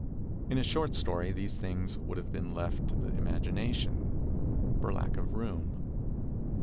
In a short story these things would have been left to the imagination, for lack of room.